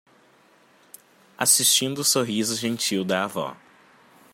Assistindo o sorriso gentil da avó